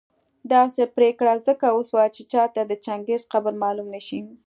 داسي پرېکړه ځکه وسوه چي چاته د چنګېز قبر معلوم نه شي